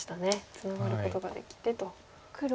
ツナがることができてと。